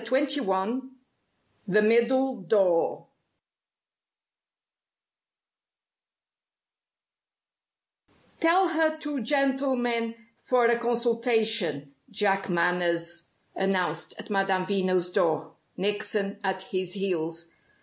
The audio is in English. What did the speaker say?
CHAPTER XXI THE MIDDLE DOOR "Tell her two gentlemen for a consultation," Jack Manners announced at Madame Veno's door, Nickson at his heels.